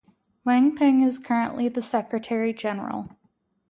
Wang Ping is currently the Secretary-general.